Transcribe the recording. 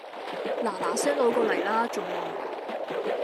嗱嗱聲攞過黎啦仲望